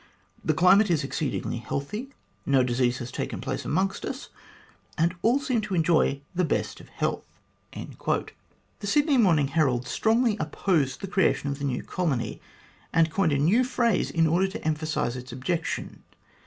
The climate is exceedingly healthy ; no disease has taken place amongst us, and all seem to enjoy the best of health." The Sydney Morning Herald strongly opposed the creation of the new colony, and coined a new phrase in order to emphasise its objections.